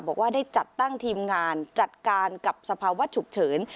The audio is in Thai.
บอกว่าได้จัดตั้งทีมงานจัดการกับสภาวะฉุกเฉิน